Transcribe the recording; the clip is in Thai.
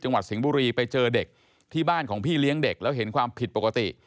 สิงห์บุรีไปเจอเด็กที่บ้านของพี่เลี้ยงเด็กแล้วเห็นความผิดปกติ